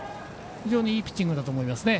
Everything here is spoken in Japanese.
非常にいいピッチングだと思います。